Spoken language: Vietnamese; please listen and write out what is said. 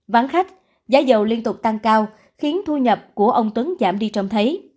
vắng khách giá dầu liên tục tăng cao khiến thu nhập của ông tuấn giảm đi trông thấy